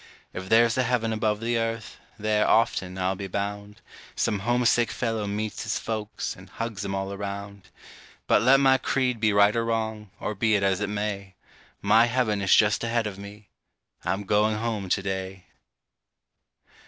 If there's a heaven above the earth, there often, I'll be bound, Some homesick fellow meets his folks, and hugs 'em all around. But let my creed be right or wrong, or be it as it may, My heaven is just ahead of me I'm going home to day.